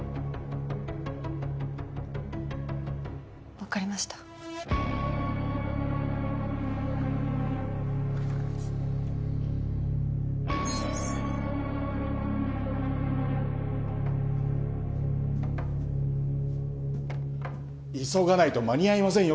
分かりました急がないと間に合いませんよ